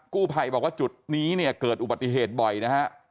กู้ภัยบอกว่าจุดนี้เนี่ยเกิดอุบัติเหตุบ่อยนะฮะ